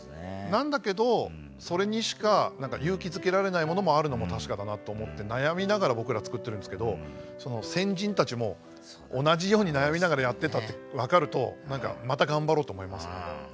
なんだけどそれにしか勇気づけられないものもあるのも確かだなと思って悩みながら僕ら作ってるんですけどその先人たちも同じように悩みながらやってたって分かると何か「また頑張ろう」と思いますね。